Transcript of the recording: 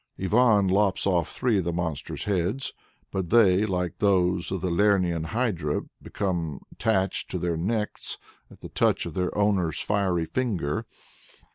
Ivan lops off three of the monster's heads, but they, like those of the Lernæan Hydra, become re attached to their necks at the touch of their owner's "fiery finger."